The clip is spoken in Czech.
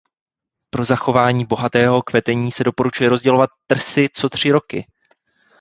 Pro zachování bohatého kvetení se doporučuje rozdělovat trsy co tři roky.